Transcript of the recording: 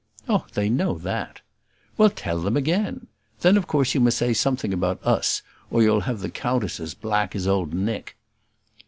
"Oh, they know that." "Well, tell them again. Then of course you must say something about us; or you'll have the countess as black as old Nick."